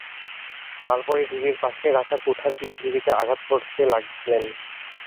তার পরে ঢিবির পাশে রাখা কুঠার দিয়ে ঢিবিকে আঘাত করতে লাগলেন।